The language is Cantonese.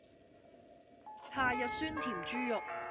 夏日酸甜豬肉